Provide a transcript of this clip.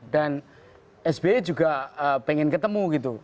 dan spi juga pengen ketemu gitu